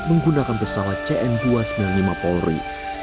menggunakan pesawat cn dua ratus sembilan puluh lima polri